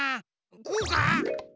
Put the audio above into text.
こうか？